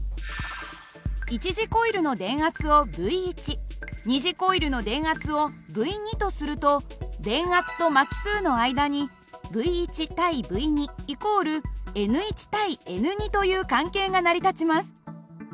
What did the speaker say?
一次コイルの電圧をＶ二次コイルの電圧をＶとすると電圧と巻き数の間にＶ：Ｖ＝Ｎ：Ｎという関係が成り立ちます。